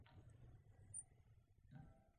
Keyin Poytaxtda o`qiging kelyapti-a